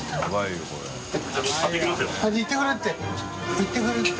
行ってくれるって！